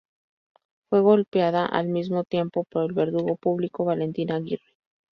Fue golpeada al mismo tiempo por el verdugo público, Valentín Aguirre.